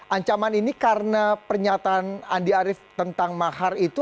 ancaman ini karena pernyataan andi arief tentang mahar itu